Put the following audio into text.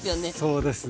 そうですね。